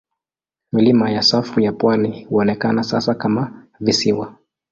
Milima ya safu ya pwani huonekana sasa kama visiwa.